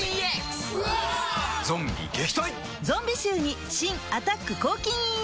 ゾンビ臭に新「アタック抗菌ＥＸ」